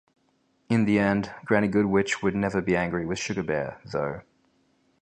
In the end, Granny Goodwitch would never be angry with Sugar Bear, though.